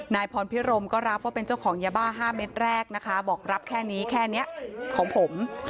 นายพรพิรมก็รับว่าเป็นเจ้าของยาบ้า๕เม็ดแรกนะคะบอกรับแค่นี้แค่นี้ของผม